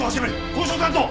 交渉担当！